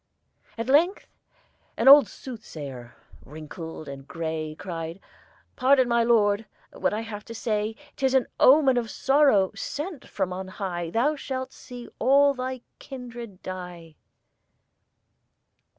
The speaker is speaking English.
At length an old soothsayer, wrinkled and gray, Cried, "Pardon, my lord, what I have to say; "'Tis an omen of sorrow sent from on high: Thou shalt see all thy kindred die."